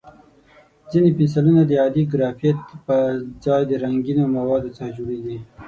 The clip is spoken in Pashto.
ځینې پنسلونه د عادي ګرافیت پر ځای د رنګینو موادو څخه جوړېږي.